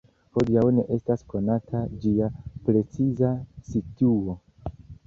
Hodiaŭ ne estas konata ĝia preciza situo.